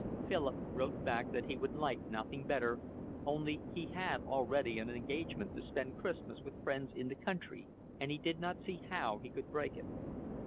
Philip wrote back that he would like nothing better, only he had already an engagement to spend Christmas with friends in the country, and he did not see how he could break it.